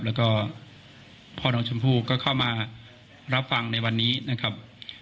แล้วก็พ่อน้องชมพู่ก็เข้ามารับฟังในวันนี้นะครับ